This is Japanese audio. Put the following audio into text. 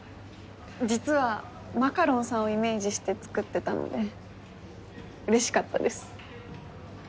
実はマカロンさんをイメージして作ってたのでうれしかったです。